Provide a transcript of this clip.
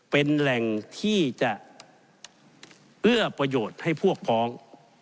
เป็นแหล่งที่จะเอื้อประโยชน์ให้พวกพ้อง